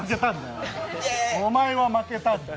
お前は負けたんだよ。